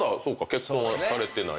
結婚はされてない。